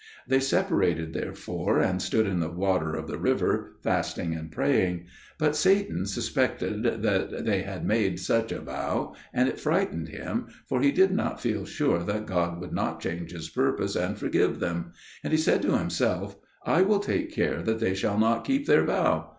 They separated, therefore, and stood in the water of the river, fasting and praying. But Satan suspected that they had made such a vow, and it frightened him, for he did not feel sure that God would not change His purpose and forgive them; and he said to himself, "I will take care that they shall not keep their vow."